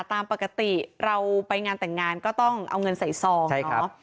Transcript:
ตามปกติเราไปงานแต่งงานก็ต้องเอาเงินใส่ซองเนาะ